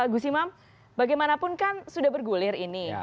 gus imam bagaimanapun kan sudah bergulir ini